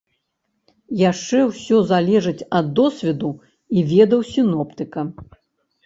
Яшчэ ўсё залежыць ад досведу і ведаў сіноптыка.